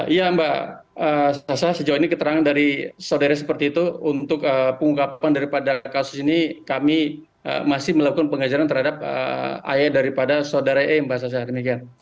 iya mbak sasa sejauh ini keterangan dari saudara seperti itu untuk pengungkapan daripada kasus ini kami masih melakukan pengejaran terhadap ayah daripada saudara e mbak sasa